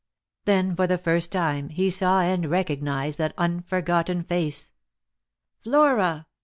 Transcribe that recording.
Then for the first time he saw and recognised that unforgotten face. "Flora!"